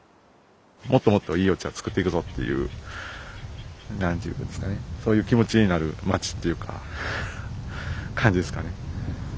もっともっといいお茶を作っていくぞっていう何て言うんですかねそういう気持ちになる町っていうか感じですかね。